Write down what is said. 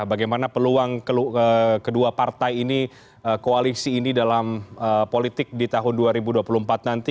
bagaimana peluang kedua partai ini koalisi ini dalam politik di tahun dua ribu dua puluh empat nanti